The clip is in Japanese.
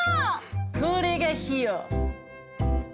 これが費用。